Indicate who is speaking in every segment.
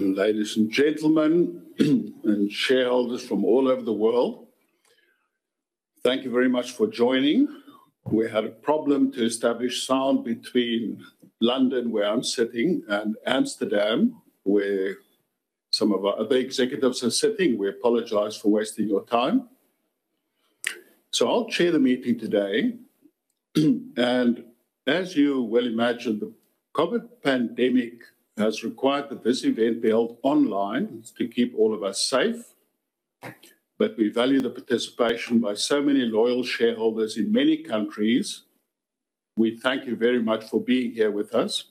Speaker 1: Ladies and gentlemen and shareholders from all over the world, thank you very much for joining. We had a problem to establish sound between London, where I'm sitting, and Amsterdam, where some of our other executives are sitting. We apologize for wasting your time. I'll chair the meeting today. As you well imagine, the COVID pandemic has required that this event be held online to keep all of us safe. We value the participation by so many loyal shareholders in many countries. We thank you very much for being here with us.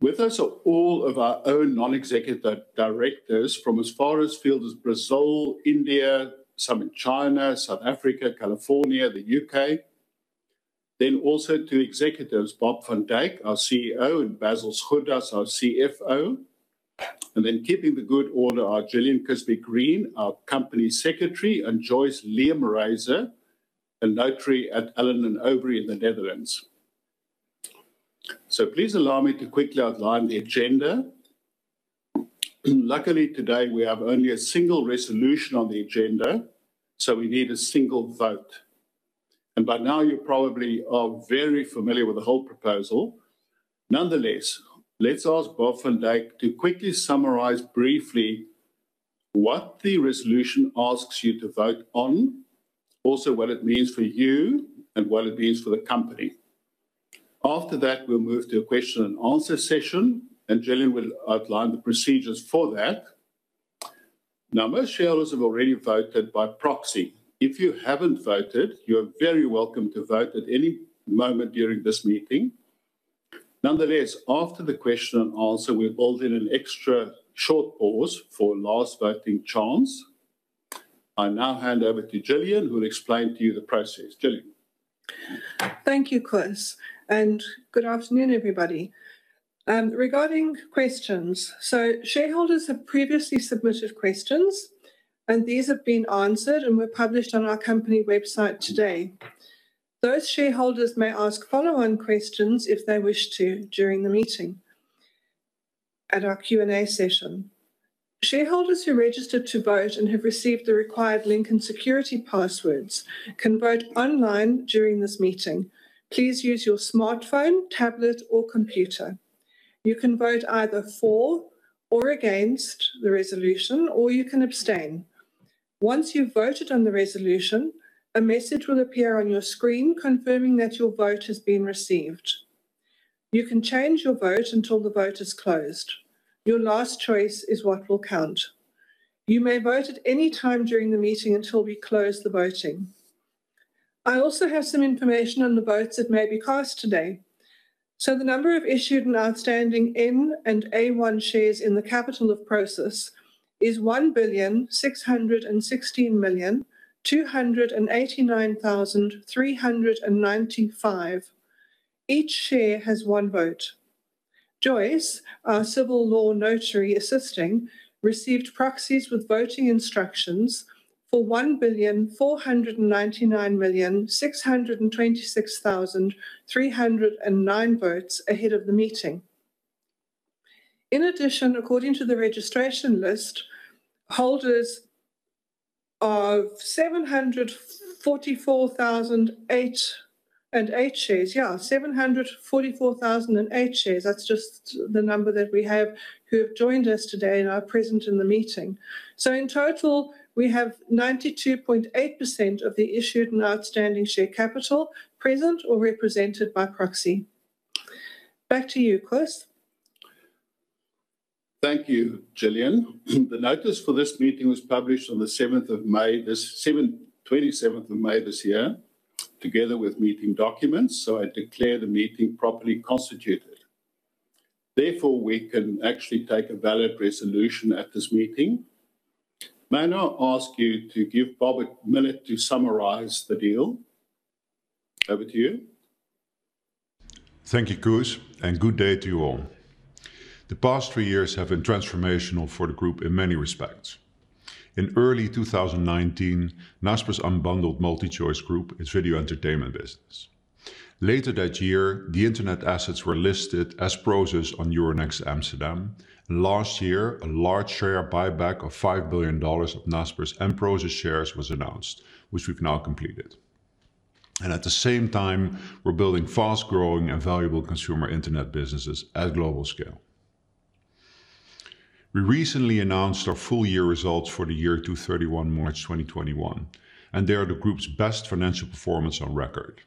Speaker 1: With us are all of our own non-executive directors from as far as fields as Brazil, India, some in China, South Africa, California, the U.K. Also two executives, Bob van Dijk, our CEO, and Basil Sgourdos, our CFO. Keeping the good order are Gillian Kisbey-Green, our company secretary, and Joyce Leemrijse, a notary at Allen & Overy in the Netherlands. Please allow me to quickly outline the agenda. Luckily, today, we have only a single resolution on the agenda, so we need a single vote. By now you probably are very familiar with the whole proposal. Nonetheless, let's ask Bob van Dijk to quickly summarize briefly what the resolution asks you to vote on. What it means for you and what it means for the company. After that, we'll move to a question and answer session, and Gillian will outline the procedures for that. Now, most shareholders have already voted by proxy. If you haven't voted, you're very welcome to vote at any moment during this meeting. Nonetheless, after the question and answer, we've built in an extra short pause for last voting chance. I now hand over to Gillian, who will explain to you the process. Gillian.
Speaker 2: Thank you, Koos, and good afternoon, everybody. Regarding questions, shareholders have previously submitted questions, and these have been answered and were published on our company website today. Those shareholders may ask follow-on questions if they wish to during the meeting at our Q&A session. Shareholders who registered to vote and have received the required link and security passwords can vote online during this meeting. Please use your smartphone, tablet, or computer. You can vote either for or against the resolution, or you can abstain. Once you've voted on the resolution, a message will appear on your screen confirming that your vote has been received. You can change your vote until the vote is closed. Your last choice is what will count. You may vote at any time during the meeting until we close the voting. I also have some information on the votes that may be cast today. The number of issued and outstanding N and A1 shares in the capital of Prosus is 1,616,289,395. Each share has one vote. Joyce, our Civil Law Notary assisting, received proxies with voting instructions for 1,499,626,309 votes ahead of the meeting. In addition, according to the registration list, holders of 744,008 shares. That's just the number that we have who have joined us today and are present in the meeting. In total, we have 92.8% of the issued and outstanding share capital present or represented by proxy. Back to you, Koos.
Speaker 1: Thank you, Gillian. The notice for this meeting was published on the 27th of May this year together with meeting documents, I declare the meeting properly constituted. Therefore, we can actually take a valid resolution at this meeting. May I now ask you to give Bob a minute to summarize the deal? Over to you.
Speaker 3: Thank you, Koos, and good day to you all. The past three years have been transformational for the group in many respects. In early 2019, Naspers unbundled MultiChoice Group, its video entertainment business. Later that year, the internet assets were listed as Prosus on Euronext Amsterdam. Last year, a large share buyback of $5 billion of Naspers and Prosus shares was announced, which we've now completed. At the same time, we're building fast-growing and valuable consumer internet businesses at global scale. We recently announced our full year results for the year to 31 March 2021, and they are the group's best financial performance on record.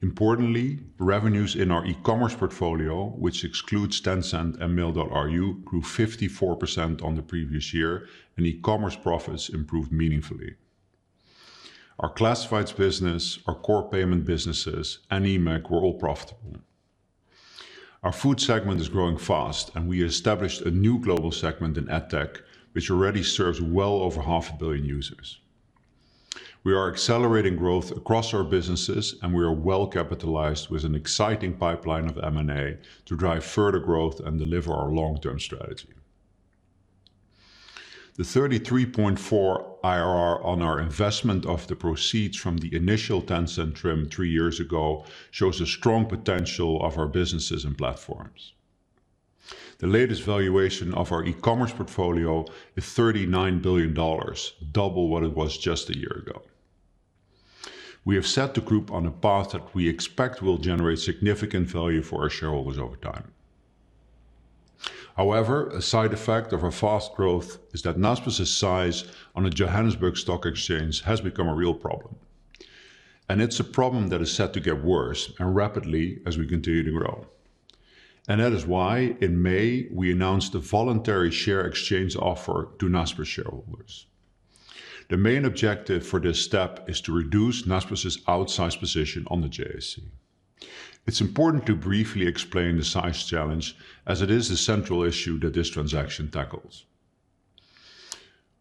Speaker 3: Importantly, revenues in our e-commerce portfolio, which excludes Tencent and Mail.ru, grew 54% on the previous year, and e-commerce profits improved meaningfully. Our classifieds business, our core payment businesses, and eMAG were all profitable. Our food segment is growing fast, and we established a new global segment in edtech, which already serves well over half a billion users. We are accelerating growth across our businesses, and we are well capitalized with an exciting pipeline of M&A to drive further growth and deliver our long-term strategy. The 33.4% IRR on our investment of the proceeds from the initial Tencent trim three years ago shows the strong potential of our businesses and platforms. The latest valuation of our e-commerce portfolio is EUR 39 billion, double what it was just a year ago. We have set the group on a path that we expect will generate significant value for our shareholders over time. A side effect of our fast growth is that Naspers' size on the Johannesburg Stock Exchange has become a real problem. It's a problem that is set to get worse and rapidly as we continue to grow. That is why in May, we announced a voluntary share exchange offer to Naspers shareholders. The main objective for this step is to reduce Naspers' outsize position on the JSE. It's important to briefly explain the size challenge, as it is a central issue that this transaction tackles.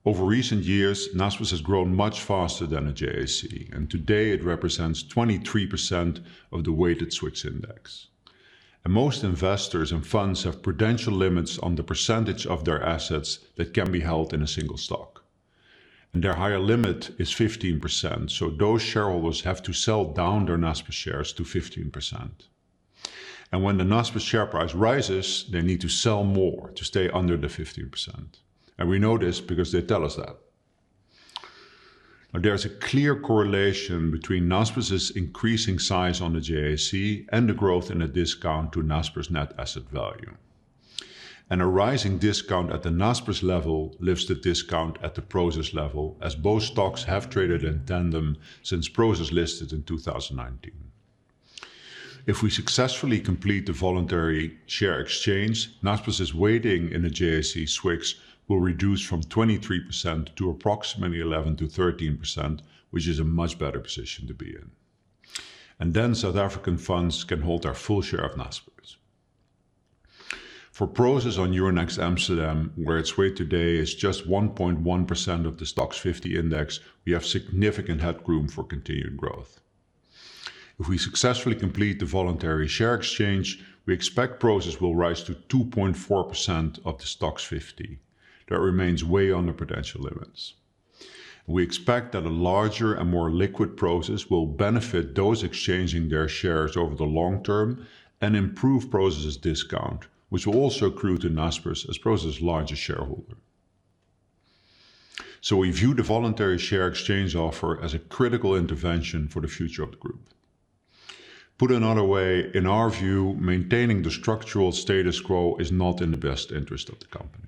Speaker 3: Over recent years, Naspers has grown much faster than the JSE, and today it represents 23% of the weighted SWIX Index. Most investors and funds have potential limits on the percentage of their assets that can be held in a single stock. Their higher limit is 15%, so those shareholders have to sell down their Naspers shares to 15%. When the Naspers share price rises, they need to sell more to stay under the 15%. We know this because they tell us that. There's a clear correlation between Naspers' increasing size on the JSE and the growth in a discount to Naspers' net asset value. A rising discount at the Naspers level lifts the discount at the Prosus level, as both stocks have traded in tandem since Prosus listed in 2019. If we successfully complete the voluntary share exchange, Naspers' weighting in the JSE SWIX will reduce from 23% to approximately 11%-13%, which is a much better position to be in. South African funds can hold our full share of Naspers. For Prosus on Euronext Amsterdam, where its weight today is just 1.1% of the STOXX 50 index, we have significant headroom for continued growth. If we successfully complete the voluntary share exchange, we expect Prosus will rise to 2.4% of the STOXX 50. That remains way under potential limits. We expect that a larger and more liquid Prosus will benefit those exchanging their shares over the long term and improve Prosus' discount, which will also accrue to Naspers as Prosus' largest shareholder. We view the voluntary share exchange offer as a critical intervention for the future of the group. Put another way, in our view, maintaining the structural status quo is not in the best interest of the company.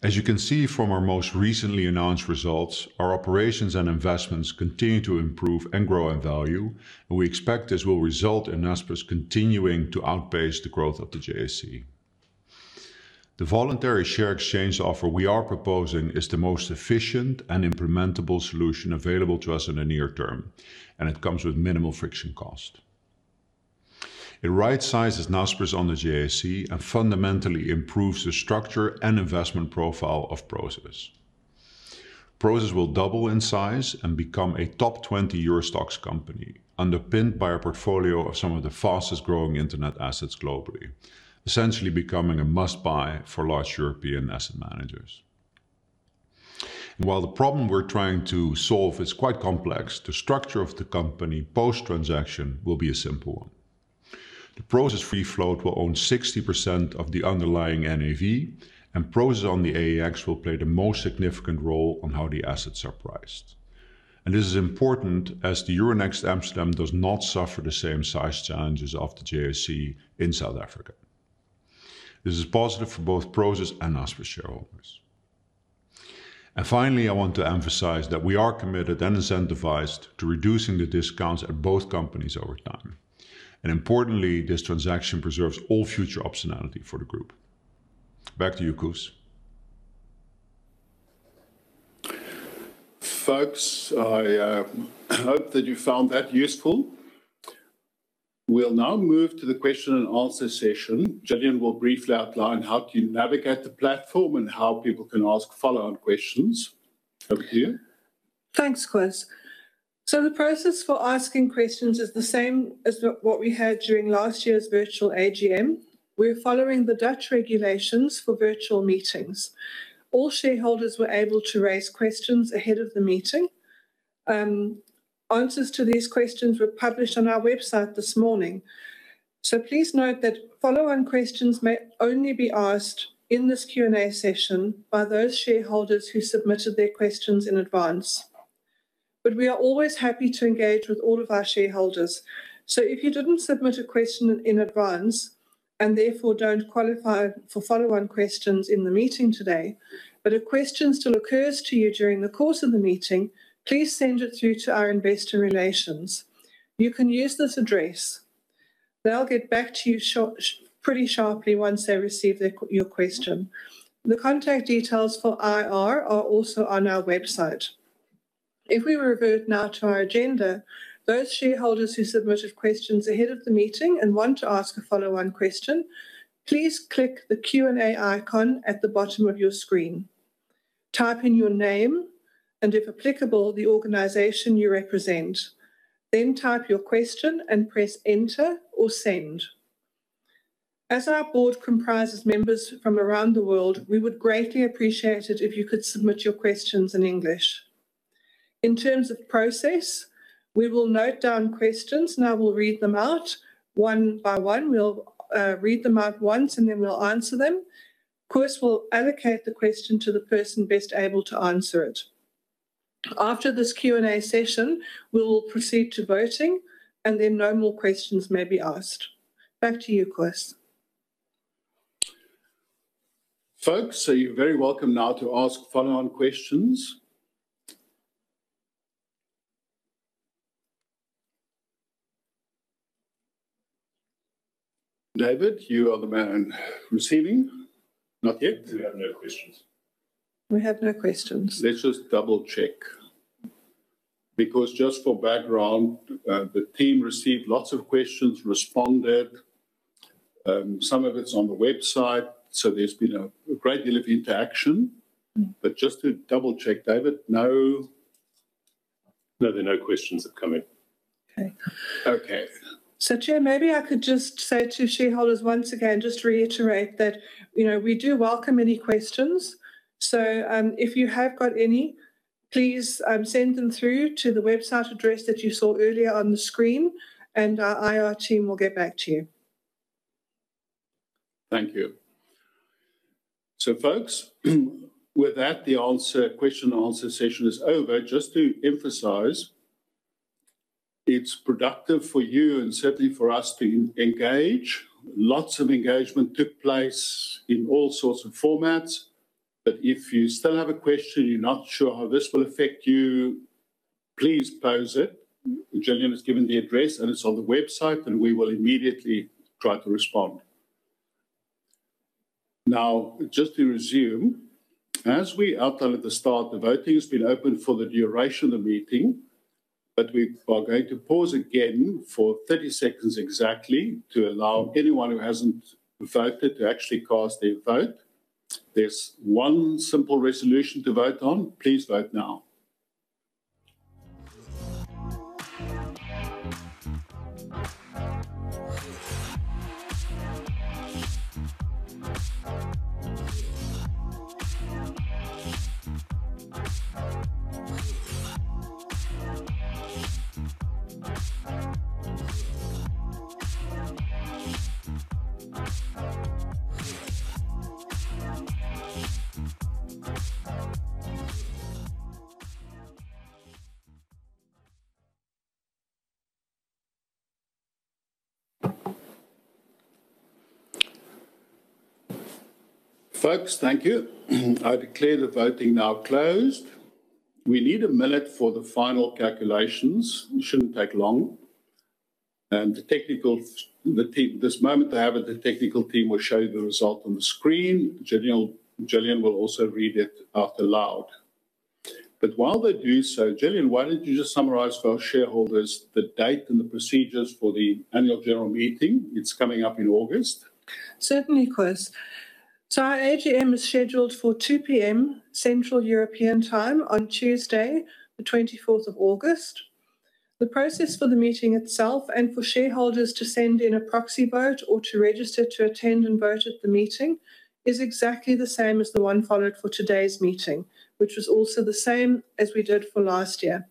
Speaker 3: As you can see from our most recently announced results, our operations and investments continue to improve and grow in value, and we expect this will result in Naspers continuing to outpace the growth of the JSE. The voluntary share exchange offer we are proposing is the most efficient and implementable solution available to us in the near term, and it comes with minimal friction cost. It right-sizes Naspers on the JSE and fundamentally improves the structure and investment profile of Prosus. Prosus will double in size and become a top 20 EURO STOXX company, underpinned by a portfolio of some of the fastest-growing internet assets globally, essentially becoming a must-buy for large European asset managers. While the problem we're trying to solve is quite complex, the structure of the company post-transaction will be a simple one. The Prosus free float will own 60% of the underlying NAV, and Prosus on the AEX will play the most significant role on how the assets are priced. This is important as the Euronext Amsterdam does not suffer the same size challenges of the JSE in South Africa. This is positive for both Prosus and Naspers shareholders. Finally, I want to emphasize that we are committed and incentivized to reducing the discounts at both companies over time. Importantly, this transaction preserves all future optionality for the group. Back to you, Koos.
Speaker 1: Folks, I hope that you found that useful. We'll now move to the question and answer session. Gillian will briefly outline how to navigate the platform and how people can ask follow-on questions. Over to you.
Speaker 2: Thanks, Koos. The process for asking questions is the same as what we had during last year's virtual AGM. We're following the Dutch regulations for virtual meetings. All shareholders were able to raise questions ahead of the meeting. Answers to these questions were published on our website this morning. Please note that follow-on questions may only be asked in this Q&A session by those shareholders who submitted their questions in advance. We are always happy to engage with all of our shareholders. If you didn't submit a question in advance, and therefore don't qualify for follow-on questions in the meeting today, but a question still occurs to you during the course of the meeting, please send it through to our investor relations. You can use this address. They'll get back to you pretty sharply once they receive your question. The contact details for IR are also on our website. If we revert now to our agenda, those shareholders who submitted questions ahead of the meeting and want to ask a follow-on question, please click the Q&A icon at the bottom of your screen. Type in your name, and if applicable, the organization you represent. Then type your question and press enter or send. As our board comprises members from around the world, we would greatly appreciate it if you could submit your questions in English. In terms of process, we will note down questions, and I will read them out one by one. We'll read them out once, and then we'll answer them. Koos will allocate the question to the person best able to answer it. After this Q&A session, we will proceed to voting, and then no more questions may be asked. Back to you, Koos.
Speaker 1: Folks, you're very welcome now to ask follow-on questions. David, you are the man receiving. Not yet?
Speaker 4: We have no questions.
Speaker 2: We have no questions.
Speaker 1: Let's just double-check. Just for background, the team received lots of questions, responded. Some of it's on the website. There's been a great deal of interaction. Just to double-check, David, no?
Speaker 4: No, there are no questions that come in.
Speaker 2: Okay.
Speaker 1: Okay.
Speaker 2: Chair, maybe I could just say to shareholders once again, just reiterate that we do welcome any questions. If you have got any, please send them through to the website address that you saw earlier on the screen, and our IR team will get back to you.
Speaker 1: Thank you. Folks, with that, the question and answer session is over. Just to emphasize, it's productive for you and certainly for us to engage. Lots of engagement took place in all sorts of formats. If you still have a question, you're not sure how this will affect you, please pose it. Gillian has given the address, and it's on the website, and we will immediately try to respond. Just to resume, as we outlined at the start, the voting has been open for the duration of the meeting, but we are going to pause again for 30 seconds exactly to allow anyone who hasn't voted to actually cast their vote. There's one simple resolution to vote on. Please vote now. Folks, thank you. I declare the voting now closed. We need a minute for the final calculations. It shouldn't take long. This moment they have it, the technical team will show the result on the screen. Gillian will also read it out loud. While they do so, Gillian, why don't you just summarize for our shareholders the date and the procedures for the annual general meeting. It's coming up in August.
Speaker 2: Certainly, Koos. Our AGM is scheduled for 2:00 P.M., Central European Time, on Tuesday, the 24th of August. The process for the meeting itself, and for shareholders to send in a proxy vote or to register to attend and vote at the meeting, is exactly the same as the one followed for today's meeting, which was also the same as we did for last year.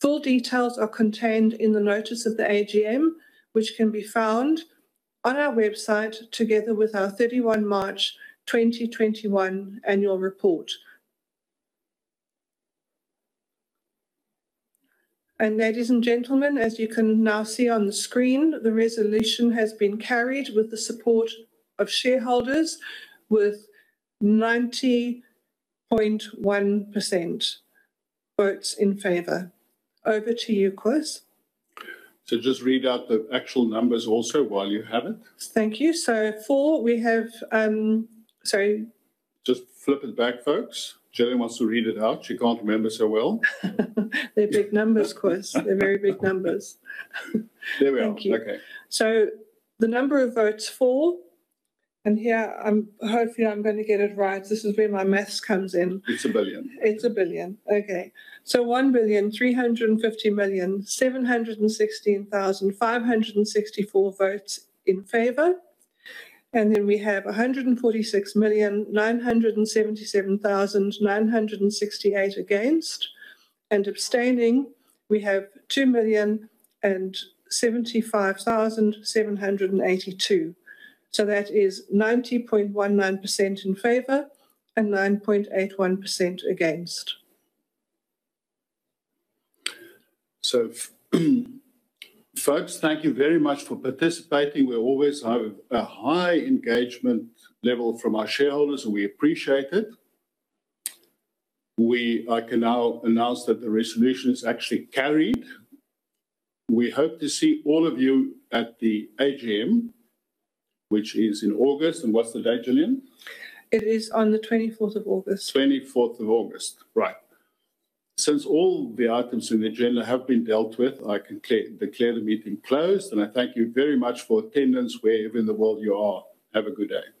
Speaker 2: Full details are contained in the notice of the AGM, which can be found on our website together with our 31 March 2021 annual report. Ladies and gentlemen, as you can now see on the screen, the resolution has been carried with the support of shareholders with 90.1% votes in favor. Over to you, Koos.
Speaker 1: Just read out the actual numbers also while you have it.
Speaker 2: Thank you. Sorry.
Speaker 1: Just flip it back, folks. Gillian wants to read it out. She can't remember so well.
Speaker 2: They're big numbers, Koos. They're very big numbers.
Speaker 1: There we are. Okay.
Speaker 2: Thank you. The number of votes for, and here, hopefully, I'm going to get it right. This is where my math comes in.
Speaker 1: It's a billion.
Speaker 2: It's a billion. Okay. 1,350,716,564 votes in favor, and then we have 146,977,968 against, and abstaining, we have 2,075,782. That is 90.19% in favor and 9.81% against.
Speaker 1: Folks, thank you very much for participating. We always have a high engagement level from our shareholders, and we appreciate it. I can now announce that the resolution is actually carried. We hope to see all of you at the AGM, which is in August. What's the date, Gillian?
Speaker 2: It is on the 24th of August.
Speaker 1: 24th of August. Right. Since all the items in the agenda have been dealt with, I can declare the meeting closed, and I thank you very much for attendance wherever in the world you are. Have a good day.